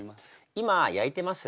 今焼いてます。